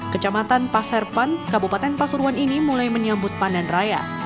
kecamatan pasirpan kabupaten pasuruan ini mulai menyambut panen raya